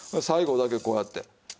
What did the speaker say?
最後だけこうやって。